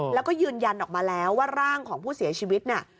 แล้วก็ยืนยันออกมาแล้วว่าร่างของผู้เสียชีวิตเนี่ย